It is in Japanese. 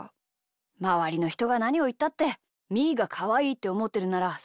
まわりのひとがなにをいったってみーがかわいいっておもってるならそれでいいんだよ。